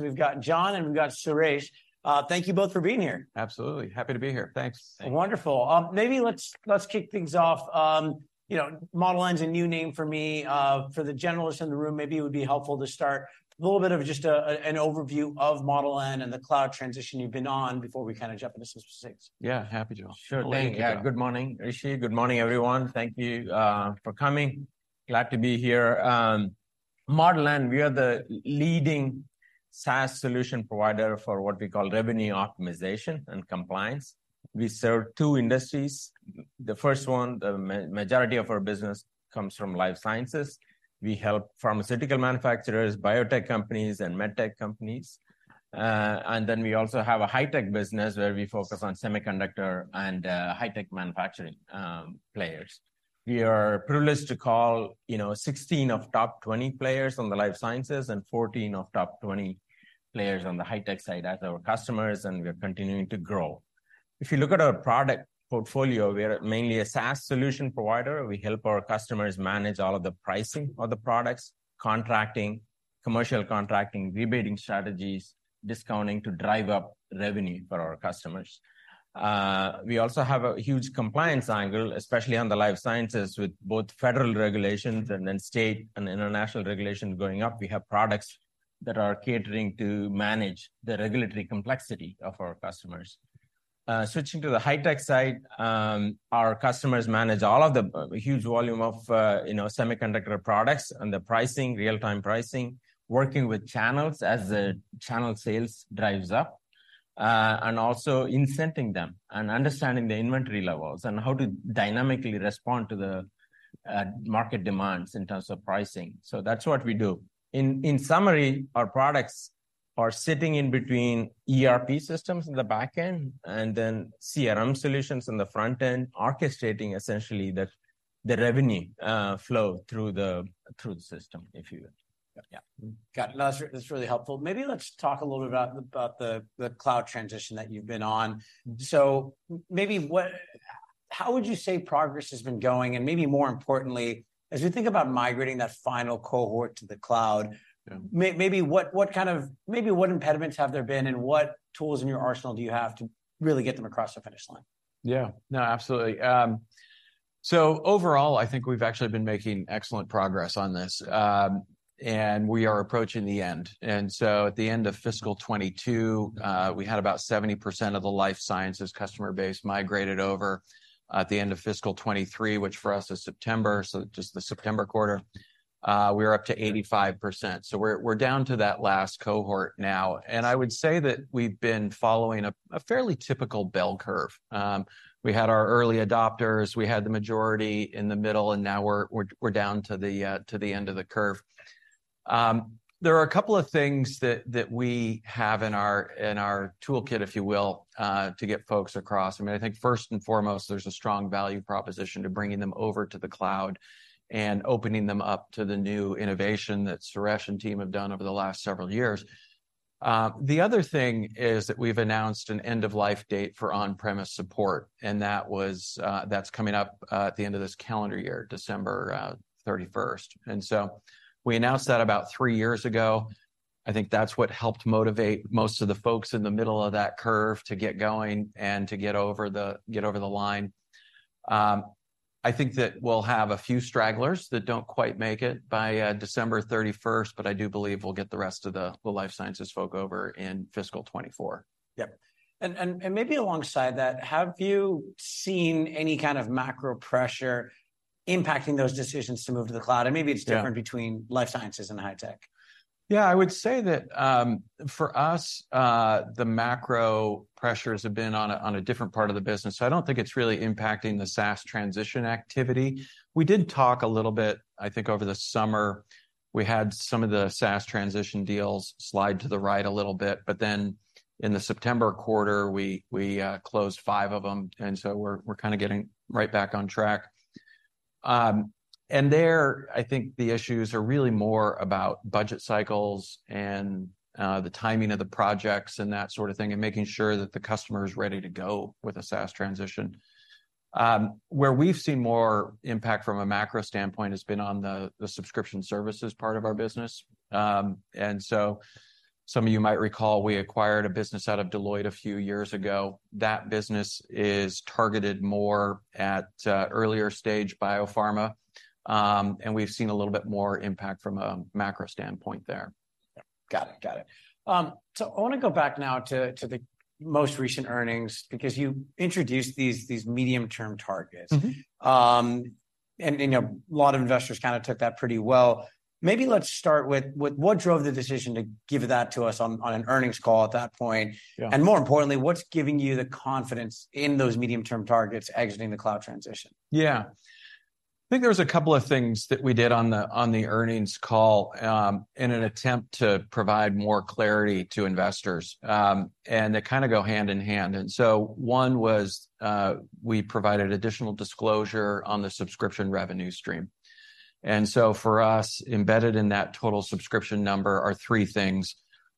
We've got John, and we've got Suresh. Thank you both for being here. Absolutely. Happy to be here. Thanks. Thank you. Wonderful. Maybe let's, let's kick things off. You know, Model N's a new name for me. For the generalists in the room, maybe it would be helpful to start with a little bit of just an overview of Model N and the cloud transition you've been on, before we kind of jump into specifics. Yeah. Happy to. Sure thing. Yeah. Good morning, Rishi. Good morning, everyone. Thank you for coming. Glad to be here. Model N, we are the leading SaaS solution provider for what we call revenue optimization and compliance. We serve two industries. The first one, the majority of our business comes from life sciences. We help pharmaceutical manufacturers, biotech companies, and medtech companies. And then we also have a high-tech business, where we focus on semiconductor and high-tech manufacturing players. We are privileged to call, you know, 16 of top 20 players on the life sciences and 14 of top 20 players on the high-tech side as our customers, and we are continuing to grow. If you look at our product portfolio, we are mainly a SaaS solution provider. We help our customers manage all of the pricing of the products, contracting, commercial contracting, rebating strategies, discounting to drive up revenue for our customers. We also have a huge compliance angle, especially on the life sciences, with both federal regulations and then state and international regulations going up. We have products that are catering to manage the regulatory complexity of our customers. Switching to the high-tech side, our customers manage all of the, huge volume of, you know, semiconductor products and the pricing, real-time pricing, working with channels as the channel sales drives up. And also incenting them and understanding the inventory levels and how to dynamically respond to the, market demands in terms of pricing, so that's what we do. In summary, our products are sitting in between ERP systems in the back end and then CRM solutions in the front end, orchestrating essentially the revenue flow through the system, if you will. Yeah. Got it. No, that's really helpful. Maybe let's talk a little bit about the cloud transition that you've been on. So maybe how would you say progress has been going? And maybe more importantly, as you think about migrating that final cohort to the cloud- Yeah.... maybe what kind of impediments have there been, and what tools in your arsenal do you have to really get them across the finish line? Yeah. No, absolutely. So overall, I think we've actually been making excellent progress on this, and we are approaching the end. And so at the end of fiscal 2022, we had about 70% of the life sciences customer base migrated over. At the end of fiscal 2023, which for us is September, so just the September quarter, we are up to 85%. So we're down to that last cohort now, and I would say that we've been following a fairly typical bell curve. We had our early adopters, we had the majority in the middle, and now we're down to the end of the curve. There are a couple of things that we have in our toolkit, if you will, to get folks across. I mean, I think first and foremost, there's a strong value proposition to bringing them over to the cloud and opening them up to the new innovation that Suresh and team have done over the last several years. The other thing is that we've announced an end-of-life date for on-premise support. And that was, that's coming up at the end of this calendar year, December 31st. So we announced that about three years ago. I think that's what helped motivate most of the folks in the middle of that curve to get going and to get over the line. I think that we'll have a few stragglers that don't quite make it by December 31st, but I do believe we'll get the rest of the life sciences folk over in fiscal 2024. Yep. And maybe alongside that, have you seen any kind of macro pressure impacting those decisions to move to the cloud? Yeah. Maybe it's different between life sciences and high-tech. Yeah. I would say that, for us, the macro pressures have been on a different part of the business, so I don't think it's really impacting the SaaS transition activity. We did talk a little bit. I think over the summer, we had some of the SaaS transition deals slide to the right a little bit, but then in the September quarter, we closed five of them, and so we're kind of getting right back on track. And there, I think the issues are really more about budget cycles and the timing of the projects and that sort of thing, and making sure that the customer is ready to go with a SaaS transition. Where we've seen more impact from a macro standpoint has been on the subscription services part of our business. And so some of you might recall, we acquired a business out of Deloitte a few years ago. That business is targeted more at, earlier-stage biopharma, and we've seen a little bit more impact from a macro standpoint there. Yeah. Got it, got it. So I wanna go back now to the most recent earnings, because you introduced these medium-term targets. Mm-hmm. You know, a lot of investors kind of took that pretty well. Maybe let's start with what drove the decision to give that to us on an earnings call at that point? Yeah. More importantly, what's giving you the confidence in those medium-term targets exiting the cloud transition? Yeah. I think there was a couple of things that we did on the earnings call in an attempt to provide more clarity to investors, and they kind of go hand in hand. And so one was we provided additional disclosure on the subscription revenue stream. And so for us, embedded in that total subscription number are three things.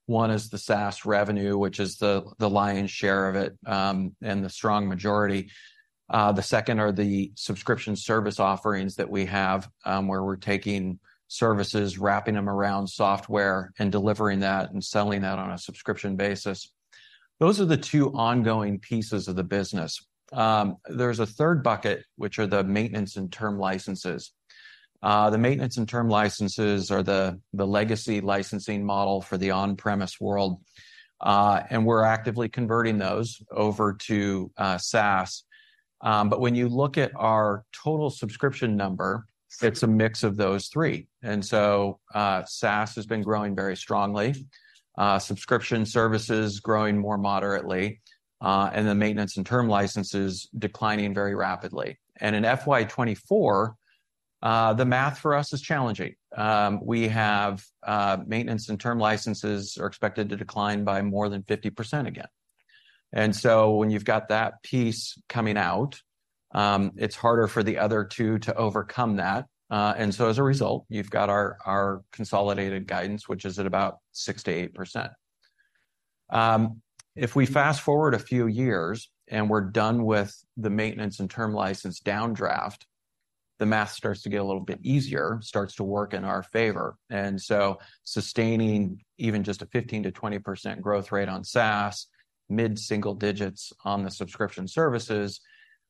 One is the SaaS revenue, which is the lion's share of it and the strong majority. The second are the subscription service offerings that we have, where we're taking services, wrapping them around software, and delivering that and selling that on a subscription basis. Those are the two ongoing pieces of the business. There's a third bucket, which are the maintenance and term licenses. The maintenance and term licenses are the legacy licensing model for the on-premise world. And we're actively converting those over to SaaS. But when you look at our total subscription number, it's a mix of those three. And so, SaaS has been growing very strongly, subscription services growing more moderately, and the maintenance and term licenses declining very rapidly. And in FY 2024, the math for us is challenging. We have, maintenance and term licenses are expected to decline by more than 50% again. And so when you've got that piece coming out, it's harder for the other two to overcome that. And so as a result, you've got our, our consolidated guidance, which is at about 6%-8%. If we fast-forward a few years, and we're done with the maintenance and term license downdraft, the math starts to get a little bit easier, starts to work in our favor. And so sustaining even just a 15%-20% growth rate on SaaS, mid-single digits on the subscription services,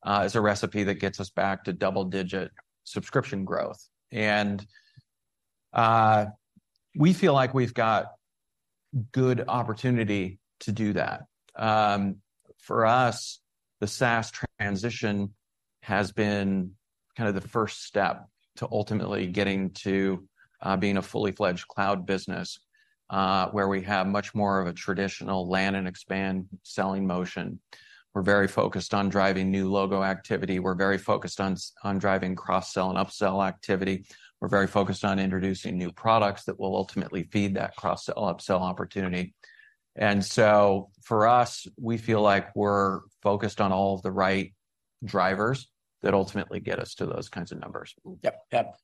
is a recipe that gets us back to double-digit subscription growth. And we feel like we've got good opportunity to do that. For us, the SaaS transition has been kind of the first step to ultimately getting to being a fully fledged cloud business, where we have much more of a traditional land and expand selling motion. We're very focused on driving new logo activity. We're very focused on driving cross-sell and up-sell activity. We're very focused on introducing new products that will ultimately feed that cross-sell, up-sell opportunity. And so for us, we feel like we're focused on all of the right drivers that ultimately get us to those kinds of numbers. Yep, yep.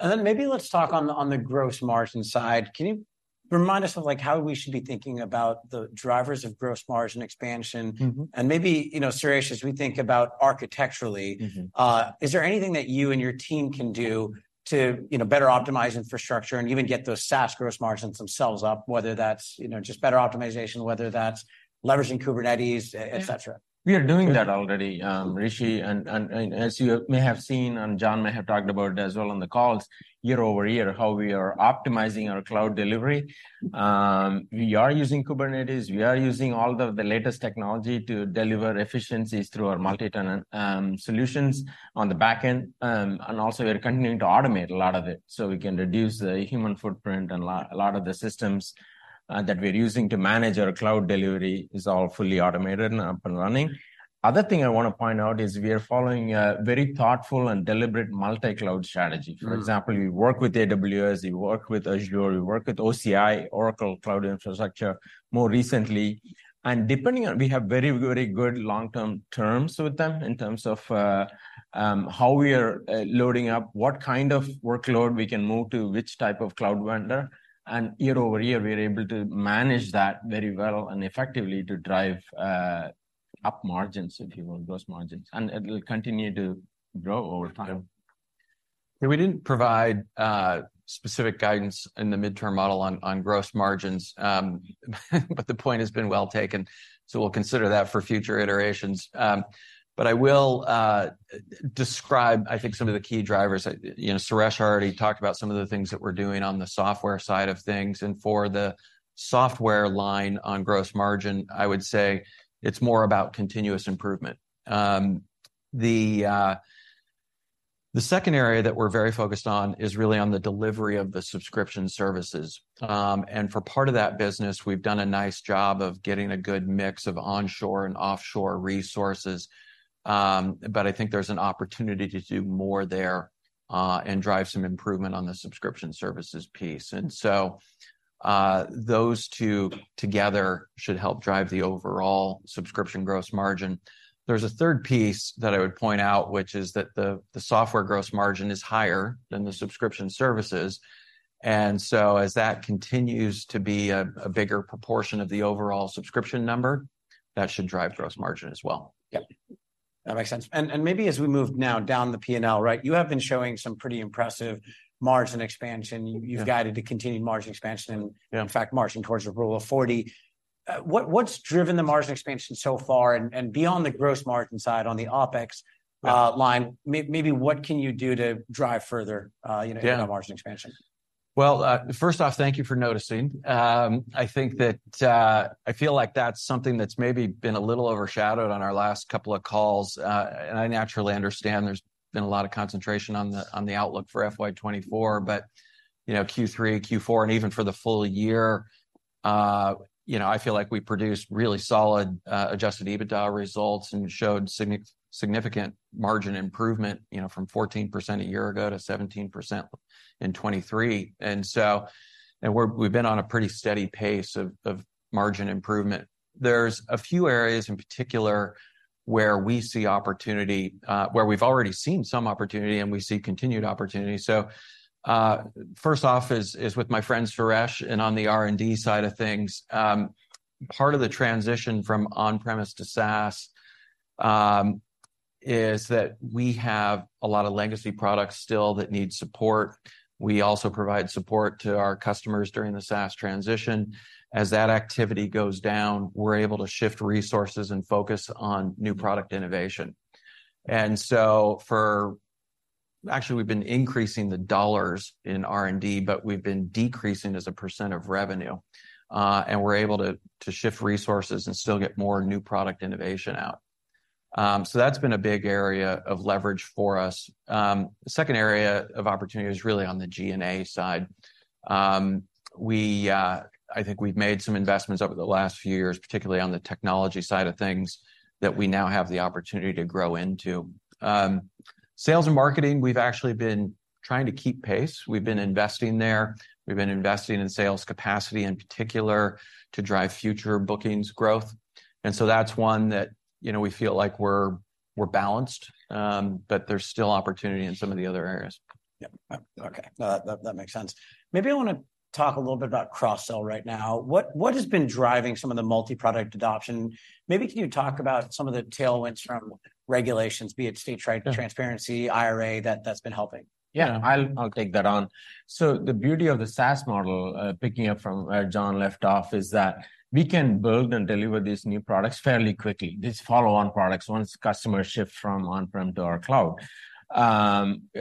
And then maybe let's talk on the gross margin side. Can you remind us of, like, how we should be thinking about the drivers of gross margin expansion? Mm-hmm. Maybe, you know, Suresh, as we think about architecturally- Mm-hmm.... is there anything that you and your team can do to, you know, better optimize infrastructure and even get those SaaS gross margins themselves up, whether that's, you know, just better optimization, whether that's leveraging Kubernetes, et cetera? We are doing that already, Rishi, and as you may have seen, and John may have talked about it as well on the calls, year over year, how we are optimizing our cloud delivery. We are using Kubernetes. We are using all the latest technology to deliver efficiencies through our multi-tenant solutions on the back end. And also we're continuing to automate a lot of it, so we can reduce the human footprint, and a lot of the systems that we're using to manage our cloud delivery is all fully automated and up and running. Other thing I want to point out is we are following a very thoughtful and deliberate multi-cloud strategy. Mm. For example, we work with AWS, we work with Azure, we work with OCI, Oracle Cloud Infrastructure, more recently. And depending on how we are loading up, what kind of workload we can move to which type of cloud vendor. We have very, very good long-term terms with them in terms of how we are loading up, what kind of workload we can move to which type of cloud vendor. And year-over-year, we're able to manage that very well and effectively to drive up margins, if you will, gross margins, and it'll continue to grow over time. Yeah, we didn't provide specific guidance in the midterm model on gross margins, but the point has been well taken. So we'll consider that for future iterations. But I will describe, I think, some of the key drivers. You know, Suresh already talked about some of the things that we're doing on the software side of things, and for the software line on gross margin, I would say it's more about continuous improvement. The second area that we're very focused on is really on the delivery of the subscription services. And for part of that business, we've done a nice job of getting a good mix of onshore and offshore resources. But I think there's an opportunity to do more there, and drive some improvement on the subscription services piece. And so, those two together should help drive the overall subscription gross margin. There's a third piece that I would point out, which is that the software gross margin is higher than the subscription services. And so as that continues to be a bigger proportion of the overall subscription number, that should drive gross margin as well. Yep, that makes sense. And maybe as we move now down the P&L, right? You have been showing some pretty impressive margin expansion. Yeah. You've guided to continued margin expansion- Yeah.... in fact, marching towards a Rule of 40. What, what's driven the margin expansion so far? And beyond the gross margin side, on the OpEx line- Yeah.... maybe what can you do to drive further, you know- Yeah.... margin expansion? Well, first off, thank you for noticing. I think that I feel like that's something that's maybe been a little overshadowed on our last couple of calls. And I naturally understand there's been a lot of concentration on the outlook for FY 2024. But you know, Q3, Q4, and even for the full year, you know, I feel like we produced really solid adjusted EBITDA results and showed significant margin improvement, you know, from 14% a year ago to 17% in 2023. And so, we've been on a pretty steady pace of margin improvement. There's a few areas in particular where we see opportunity, where we've already seen some opportunity, and we see continued opportunity. So, first off is with my friend, Suresh, and on the R&D side of things. Part of the transition from on-premise to SaaS is that we have a lot of legacy products still that need support. We also provide support to our customers during the SaaS transition. As that activity goes down, we're able to shift resources and focus on new product innovation. And so actually, we've been increasing the dollars in R&D, but we've been decreasing as a percent of revenue. And we're able to shift resources and still get more new product innovation out. So that's been a big area of leverage for us. The second area of opportunity is really on the G&A side. We, I think, have made some investments over the last few years, particularly on the technology side of things that we now have the opportunity to grow into. Sales and marketing, we've actually been trying to keep pace. We've been investing there. We've been investing in sales capacity, in particular, to drive future bookings growth, and so that's one that, you know, we feel like we're balanced. But there's still opportunity in some of the other areas. Yep. Okay. No, that makes sense. Maybe I want to talk a little bit about cross-sell right now. What has been driving some of the multi-product adoption? Maybe can you talk about some of the tailwinds from regulations, be it state transparency- Yeah.... IRA, that, that's been helping? Yeah, I'll take that on. So the beauty of the SaaS model, picking up from where John left off, is that we can build and deliver these new products fairly quickly, these follow-on products, once customers shift from on-prem to our cloud.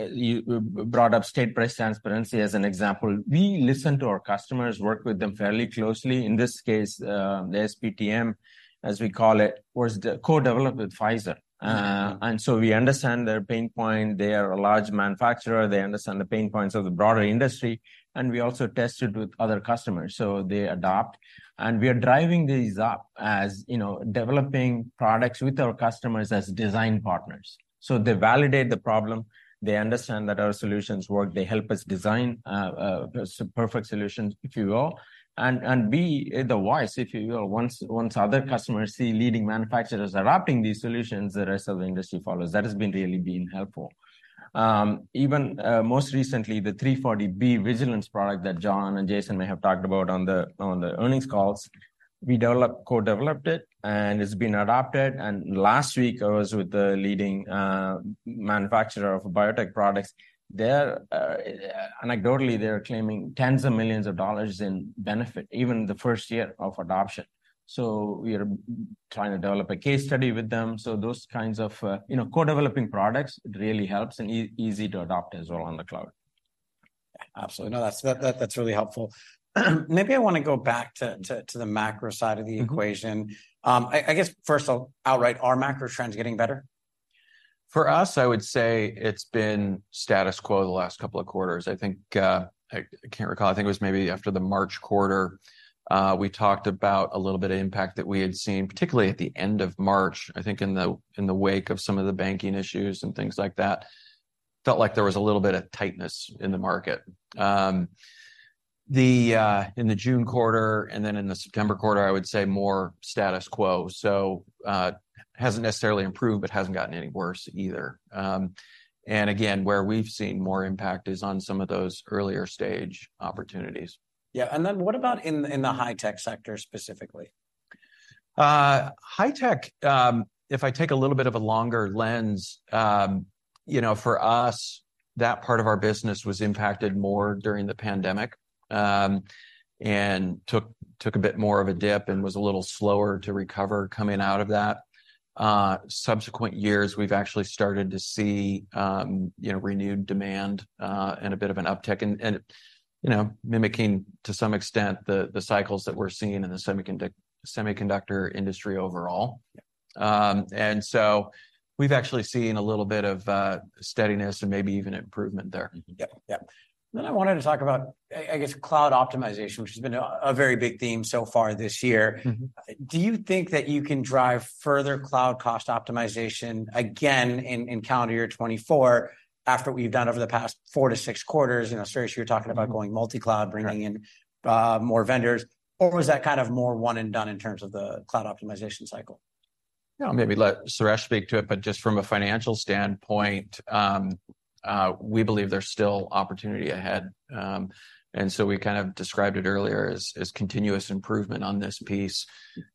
You brought up state price transparency as an example. We listen to our customers, work with them fairly closely. In this case, the SPTM, as we call it, was co-developed with Pfizer. Mm-hmm. And so we understand their pain point. They are a large manufacturer. They understand the pain points of the broader industry, and we also tested with other customers. So they adopt, and we are driving these up, as, you know, developing products with our customers as design partners. So they validate the problem. They understand that our solutions work. They help us design perfect solutions, if you will, and be the voice, if you will. Once other customers see leading manufacturers adopting these solutions, the rest of the industry follows. That has been really helpful. Even most recently, the 340B Vigilance product that John and Jason may have talked about on the earnings calls, we developed, co-developed it, and it's been adopted. And last week I was with the leading manufacturer of biotech products. They're... Anecdotally, they're claiming tens of millions of dollars in benefit, even the first year of adoption. So we are trying to develop a case study with them. So those kinds of, you know, co-developing products, it really helps, and easy to adopt as well on the cloud. Absolutely. No, that's really helpful. Maybe I want to go back to the macro side of the equation. Mm-hmm. I guess, first. I'll outright, are macro trends getting better? For us, I would say it's been status quo the last couple of quarters. I think, I can't recall, I think it was maybe after the March quarter, we talked about a little bit of impact that we had seen particularly at the end of March, I think in the wake of some of the banking issues and things like that. Felt like there was a little bit of tightness in the market. In the June quarter, and then in the September quarter, I would say more status quo. So, hasn't necessarily improved, but hasn't gotten any worse either. And again, where we've seen more impact is on some of those earlier-stage opportunities. Yeah, and then what about in the high-tech sector specifically? High-tech. If I take a little bit of a longer lens, you know, for us, that part of our business was impacted more during the pandemic. And took a bit more of a dip and was a little slower to recover coming out of that. Subsequent years, we've actually started to see, you know, renewed demand, and a bit of an uptick. And, you know, mimicking to some extent the cycles that we're seeing in the semiconductor industry overall. Yeah. And so we've actually seen a little bit of steadiness and maybe even improvement there. Mm-hmm. Yep. Yep. Then I wanted to talk about, I guess, cloud optimization, which has been a very big theme so far this year. Mm-hmm. Do you think that you can drive further cloud cost optimization again in calendar year 2024, after what you've done over the past four to six quarters? You know, Suresh, you were talking about- Mm.... going multi-cloud- Right.... bringing in more vendors, or was that kind of more one and done in terms of the cloud optimization cycle? Yeah, maybe let Suresh speak to it. But just from a financial standpoint, we believe there's still opportunity ahead. And so we kind of described it earlier as continuous improvement on this piece.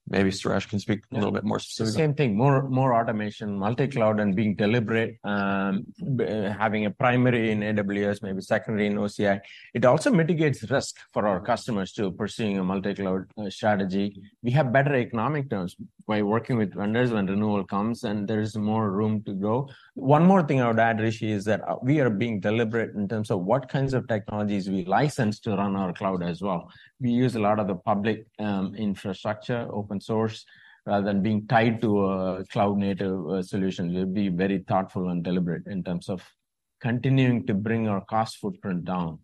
Maybe Suresh can speak- Yeah.... a little bit more specifically. The same thing, more, more automation, multi-cloud, and being deliberate. Having a primary in AWS, maybe secondary in OCI. It also mitigates risk for our customers too, pursuing a multi-cloud strategy. We have better economic terms by working with vendors when renewal comes, and there is more room to grow. One more thing I would add, Rishi, is that we are being deliberate in terms of what kinds of technologies we license to run our cloud as well. We use a lot of the public infrastructure, open source, rather than being tied to a cloud-native solution. We'll be very thoughtful and deliberate in terms of continuing to bring our cost footprint down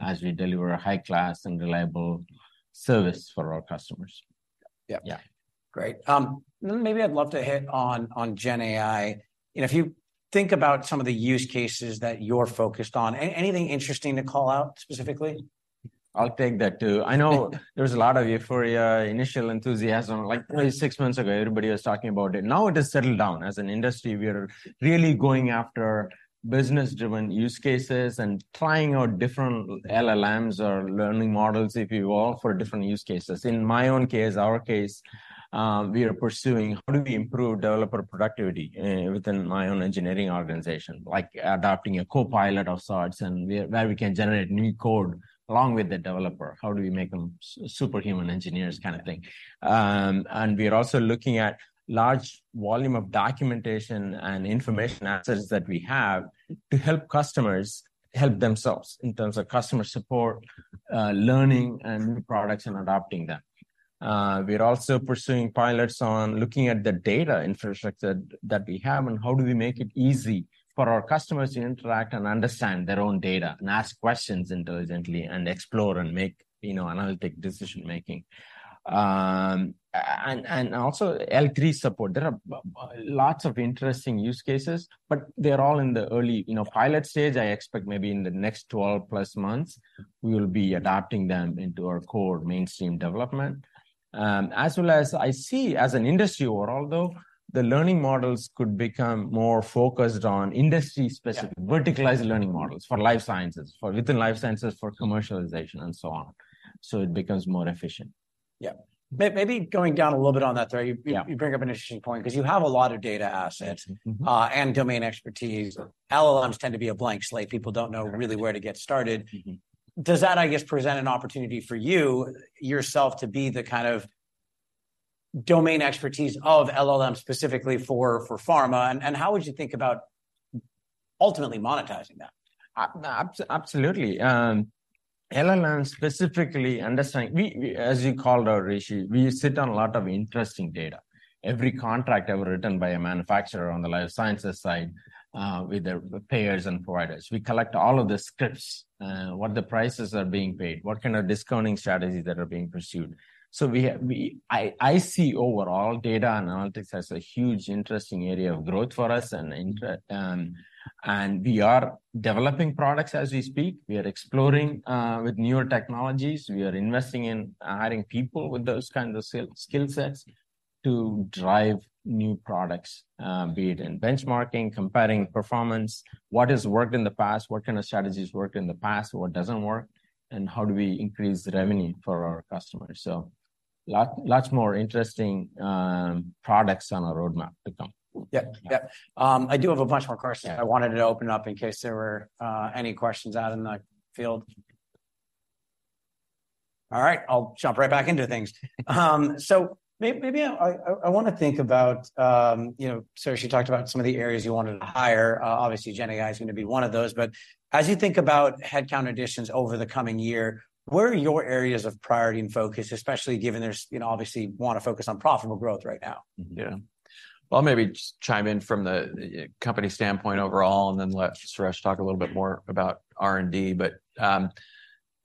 as we deliver a high-class and reliable service for our customers. Yep. Yeah. Great. Then maybe I'd love to hit on GenAI. You know, if you think about some of the use cases that you're focused on, anything interesting to call out specifically? I'll take that, too. I know there's a lot of euphoria, initial enthusiasm. Like, maybe six months ago, everybody was talking about it. Now it has settled down. As an industry, we are really going after business-driven use cases and trying out different LLMs or learning models, if you will, for different use cases. In my own case, our case, we are pursuing how do we improve developer productivity within my own engineering organization? Like adopting a copilot of sorts, and where we can generate new code along with the developer. How do we make them superhuman engineers kind of thing. And we are also looking at large volume of documentation and information assets that we have to help customers help themselves in terms of customer support, learning, and new products and adopting them. We are also pursuing pilots on looking at the data infrastructure that we have. How do we make it easy for our customers to interact and understand their own data, and ask questions intelligently, and explore and make, you know, analytic decision-making? And also L3 support. There are lots of interesting use cases, but they're all in the early, you know, pilot stage. I expect maybe in the next 12+ months, we will be adapting them into our core mainstream development. As well as I see as an industry overall, though, the learning models could become more focused on industry-specific- Yeah.... verticalized learning models for life sciences, for within life sciences, for commercialization, and so on. So, it becomes more efficient. Yeah. Maybe going down a little bit on that thread- Yeah.... you bring up an interesting point, 'cause you have a lot of data assets- Mm-hmm.... and domain expertise. Sure. LLMs tend to be a blank slate. People don't know- Right.... really where to get started. Mm-hmm. Does that, I guess, present an opportunity for you, yourself, to be the kind of domain expertise of LLM specifically for pharma, and how would you think about ultimately monetizing that? Absolutely. LLM, specifically understanding... We, as you called out, Rishi, we sit on a lot of interesting data. Every contract ever written by a manufacturer on the life sciences side, with their payers and providers. We collect all of the scripts, what the prices are being paid, what kind of discounting strategies that are being pursued. So, I see overall data analytics as a huge interesting area of growth for us, and we are developing products as we speak. We are exploring with newer technologies. We are investing in hiring people with those kinds of skill sets to drive new products, be it in benchmarking, comparing performance, what has worked in the past, what kind of strategies worked in the past, what doesn't work, and how do we increase the revenue for our customers? Lots more interesting products on our roadmap to come. Yeah. Yeah. I do have a bunch more questions. Yeah. I wanted to open it up in case there were any questions out in the field. All right, I'll jump right back into things. So maybe I wanna think about, you know, Suresh, you talked about some of the areas you wanted to hire. Obviously, GenAI is gonna be one of those. But as you think about headcount additions over the coming year, where are your areas of priority and focus, especially given there's, you know, obviously, wanna focus on profitable growth right now? Mm-hmm. Yeah. Well, maybe just chime in from the company standpoint overall, and then let Suresh talk a little bit more about R&D. But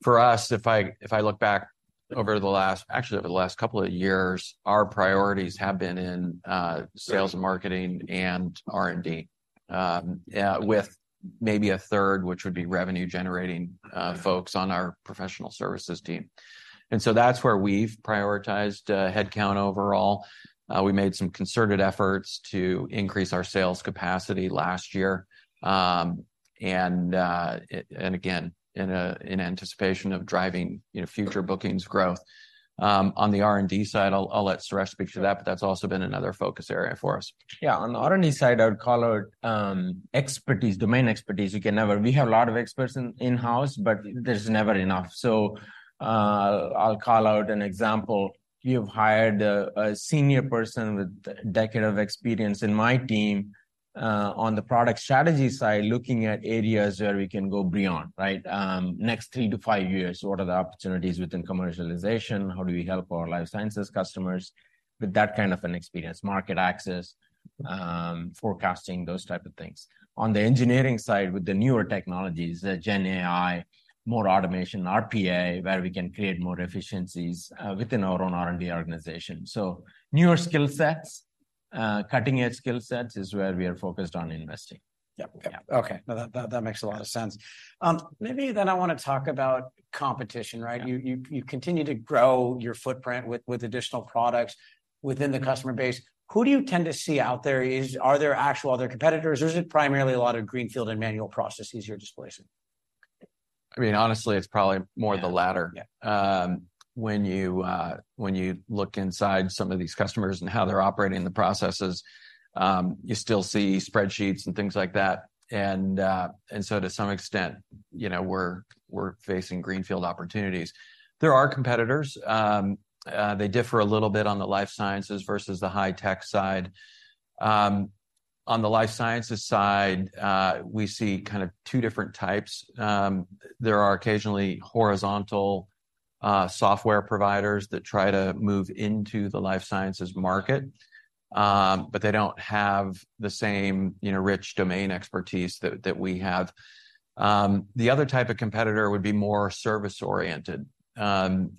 for us, if I look back over the last—actually, over the last couple of years, our priorities have been in sales and marketing and R&D. With maybe a third, which would be revenue-generating folks on our professional services team. And so that's where we've prioritized headcount overall. We made some concerted efforts to increase our sales capacity last year, and again, in anticipation of driving, you know, future bookings growth. On the R&D side, I'll let Suresh speak to that, but that's also been another focus area for us. Yeah, on the R&D side, I would call out expertise, domain expertise. You can never-- We have a lot of experts in-house, but there's never enough. So, I'll call out an example. We have hired a senior person with a decade of experience in my team on the product strategy side, looking at areas where we can go beyond, right? Next three to five years, what are the opportunities within commercialization? How do we help our life sciences customers with that kind of an experience? Market access, forecasting, those type of things. On the engineering side, with the newer technologies, the GenAI, more automation, RPA, where we can create more efficiencies within our own R&D organization. So newer skill sets, cutting-edge skill sets is where we are focused on investing. Yep. Yeah. Okay. No, that makes a lot of sense. Maybe then I wanna talk about competition, right? Yeah. You continue to grow your footprint with additional products within the customer base. Who do you tend to see out there? Are there actual other competitors, or is it primarily a lot of greenfield and manual processes you're displacing? I mean, honestly, it's probably more the latter. Yeah. Yeah. When you look inside some of these customers and how they're operating the processes, you still see spreadsheets and things like that. And so to some extent, you know, we're facing greenfield opportunities. There are competitors. They differ a little bit on the life sciences versus the high-tech side. On the life sciences side, we see kind of two different types. There are occasionally horizontal software providers that try to move into the life sciences market, but they don't have the same, you know, rich domain expertise that we have. The other type of competitor would be more service-oriented. And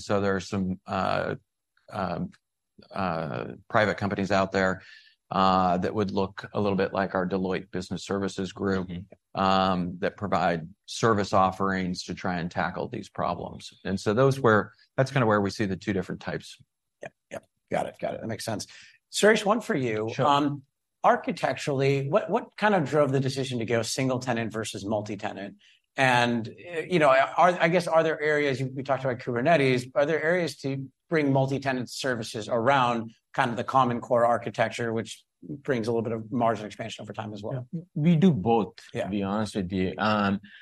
so there are some private companies out there that would look a little bit like our Deloitte Business Services Group- Mm-hmm. ... that provide service offerings to try and tackle these problems. And so that's kinda where we see the two different types. Yep, yep. Got it, got it. That makes sense. Suresh, one for you. Sure. Architecturally, what kind of drove the decision to go single-tenant versus multi-tenant? And, you know, I guess, are there areas we talked about Kubernetes, are there areas to bring multi-tenant services around kind of the common core architecture which brings a little bit of margin expansion over time as well? Yeah. We do both- Yeah. To be honest with you.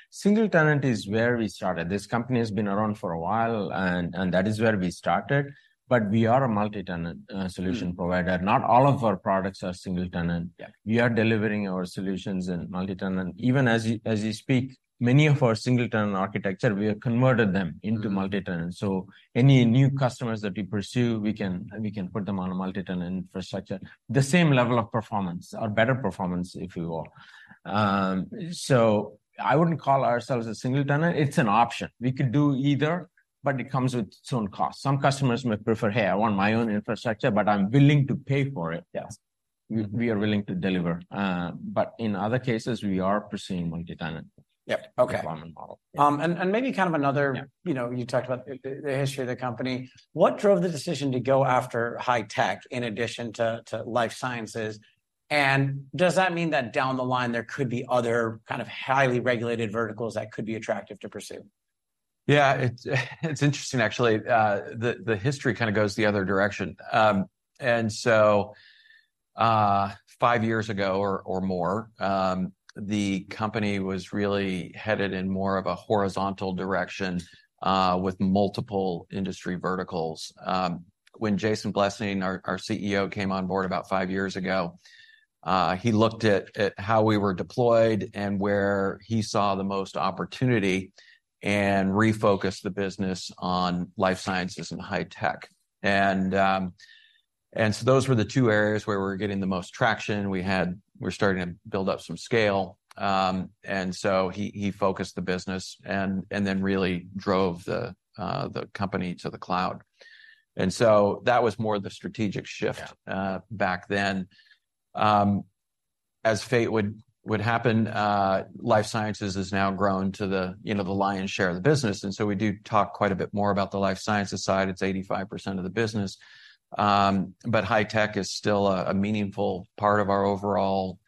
Single-tenant is where we started. This company has been around for a while, and, and that is where we started, but we are a multi-tenant solution- Mm. -provider. Not all of our products are single tenant. Yeah. We are delivering our solutions in multi-tenant. Even as you speak, many of our single-tenant architecture, we have converted them into multi-tenant. Mm. Any new customers that we pursue, we can, we can put them on a multi-tenant infrastructure. The same level of performance or better performance, if you will. I wouldn't call ourselves a single tenant. It's an option. We could do either, but it comes with its own cost. Some customers may prefer, "Hey, I want my own infrastructure, but I'm willing to pay for it. Yes. We are willing to deliver. But in other cases, we are pursuing multi-tenant- Yep, okay. -deployment model. And maybe kind of another- Yeah.... you know, you talked about the history of the company. What drove the decision to go after high-tech in addition to life sciences? And does that mean that down the line there could be other kind of highly regulated verticals that could be attractive to pursue? Yeah, it's interesting actually. The history kind of goes the other direction. And so, five years ago or more, the company was really headed in more of a horizontal direction with multiple industry verticals. When Jason Blessing, our CEO, came on board about five years ago, he looked at how we were deployed and where he saw the most opportunity, and refocused the business on life sciences and high-tech. And so those were the two areas where we were getting the most traction. We had... we were starting to build up some scale. And so he focused the business and then really drove the company to the cloud. And so that was more the strategic shift- Yeah.... back then. As fate would happen, life sciences has now grown to the, you know, the lion's share of the business, and so we do talk quite a bit more about the life sciences side. It's 85% of the business. But high-tech is still a meaningful part of our overall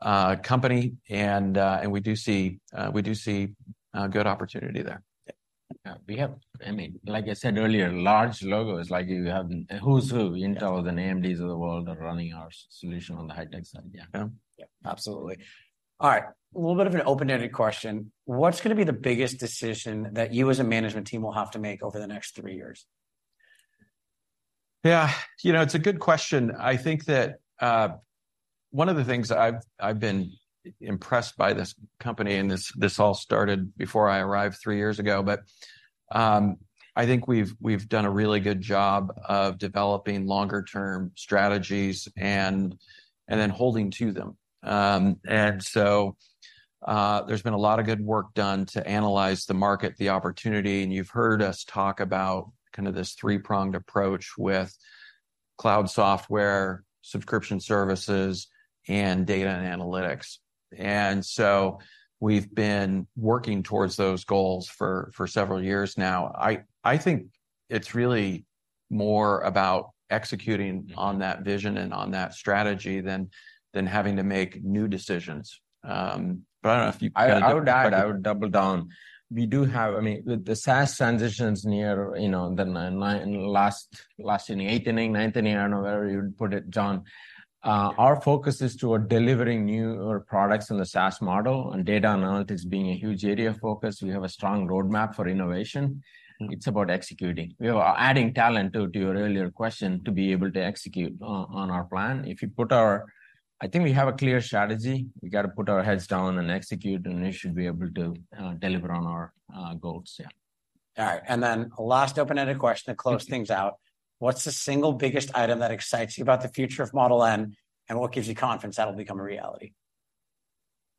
company, and we do see good opportunity there. Yeah. Yeah. We have, I mean, like I said earlier, large logos like you have who's who- Yeah.... Intel and the AMDs of the world are running our solution on the high-tech side. Yeah. Yeah. Absolutely. All right, a little bit of an open-ended question: What's gonna be the biggest decision that you as a management team will have to make over the next three years? Yeah, you know, it's a good question. I think that one of the things that I've been impressed by this company, and this all started before I arrived three years ago, but I think we've done a really good job of developing longer term strategies and then holding to them. And so there's been a lot of good work done to analyze the market, the opportunity, and you've heard us talk about kind of this three-pronged approach with cloud software, subscription services, and data and analytics. And so we've been working towards those goals for several years now. I think it's really more about executing on that vision and on that strategy than having to make new decisions. But I don't know if you- I would add, I would double down. We do have... I mean, with the SaaS transitions near, you know, the last in the eighth inning, ninth inning, I don't know where you'd put it, John. Our focus is toward delivering newer products in the SaaS model, and data analytics being a huge area of focus. We have a strong roadmap for innovation. Mm. It's about executing. We are adding talent too, to your earlier question, to be able to execute on, on our plan. If you put our... I think we have a clear strategy. We've got to put our heads down and execute, and we should be able to deliver on our goals. Yeah. All right, and then a last open-ended question to close things out: What's the single biggest item that excites you about the future of Model N, and what gives you confidence that'll become a reality?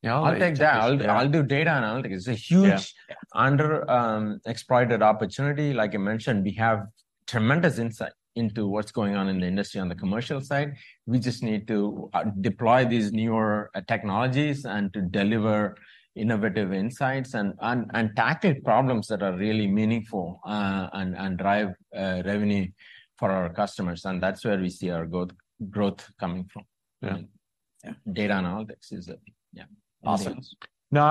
Yeah, I'll- I'll take that. Yeah. I'll do data analytics. Yeah. It's a huge- Yeah.... under exploited opportunity. Like I mentioned, we have tremendous insight into what's going on in the industry on the commercial side. We just need to deploy these newer technologies, and to deliver innovative insights, and tackle problems that are really meaningful, and drive revenue for our customers. That's where we see our growth coming from. Yeah. Yeah. Data analytics is a... Yeah. Awesome. Thanks. No,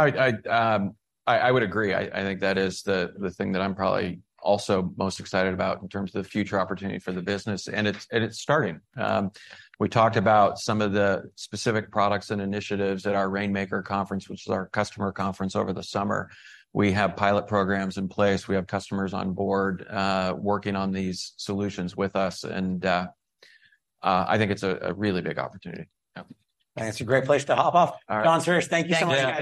I would agree. I think that is the thing that I'm probably also most excited about in terms of the future opportunity for the business, and it's starting. We talked about some of the specific products and initiatives at our Rainmaker Conference, which is our customer conference over the summer. We have pilot programs in place, we have customers on board, working on these solutions with us, and I think it's a really big opportunity. Yeah. It's a great place to hop off. All right. John, Suresh, thank you so much.